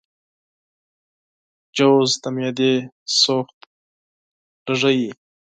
چارمغز د معدې سوخت کموي.